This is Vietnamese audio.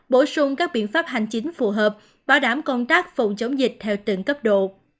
bổ sung các biện pháp hành chính phù hợp bảo đảm công tác phòng chống dịch theo từng cấp độ